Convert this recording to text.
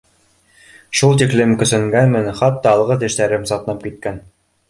Шул тиклем көсәнгәнмен, хатта алғы тештәреп сатнап киткән.